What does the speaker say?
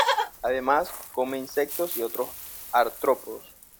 Además come insectos y otros artrópodos.